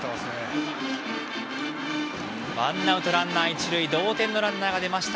ワンアウトランナー、一塁同点のランナーが出ました。